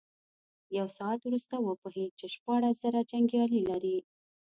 يو ساعت وروسته وپوهېد چې شپاړس زره جنيګالي لري.